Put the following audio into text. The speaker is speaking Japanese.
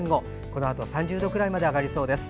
このあと３０度くらいまで上がりそうです。